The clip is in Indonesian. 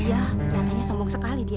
iya katanya sombong sekali dia